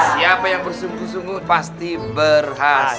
siapa yang bersungguh sungguh pasti berhasil